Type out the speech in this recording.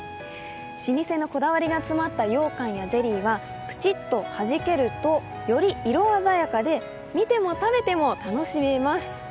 老舗のこだわりが詰まったようかんやゼリーは、ぷちっと弾けるとより色鮮やかで見ても食べても楽しめます。